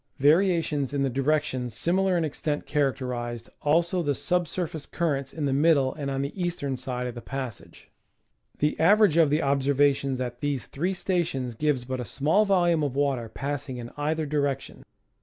Varia tions in the direction similar in extent characterized also the sub surface currents in the middle and on the eastern side of the passage. The average of the observations at these three stations gives but a small volume of water passing in either direction.